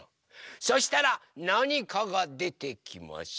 そしたらなにかがでてきます！